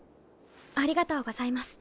ありがとうございます。